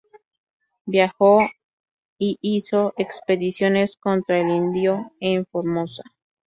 Viajó y hizo expediciones contra el indio en Formosa.